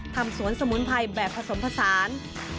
ทำสวนสมุนไพรแบบผสมผสาน